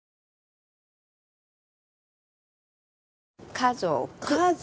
家族。